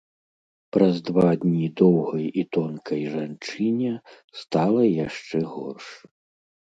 Праз два дні доўгай і тонкай жанчыне стала яшчэ горш.